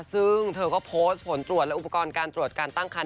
ซึ่งเธอก็โพสต์ผลตรวจและอุปกรณ์การตรวจการตั้งคัน